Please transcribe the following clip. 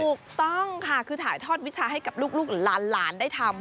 ถูกต้องค่ะคือถ่ายทอดวิชาให้กับลูกหลานได้ทำ